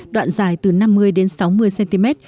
đoạn dài từ năm mươi đến sáu mươi cm